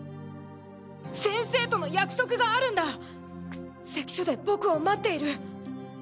先生との約束があるんだ関所で僕を待っている。